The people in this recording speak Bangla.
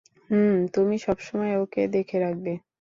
হুম, তুমি সবসময় ওকে দেখে রাখবে।